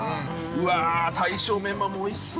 うわ、大将メンマもおいしそう。